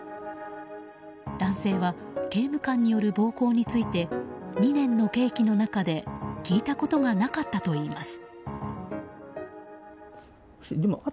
男性は刑務官による暴行について２年の刑期の中で、聞いたことがなかったといいます。